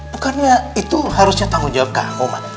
bukannya itu harusnya tanggung jawab kamu mah